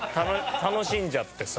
楽しんじゃってさ。